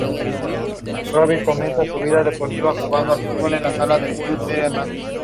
Es un lugar veraniego conocido por la colonia de artistas de Nida.